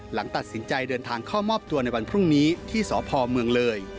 หลังตัดสินใจเดินทางเข้ามอบตัวในวันพรุ่งนี้ที่สพเมืองเลย